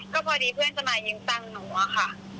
ก็พอดีเพื่อนจะมายิงตั้งหนูค่ะ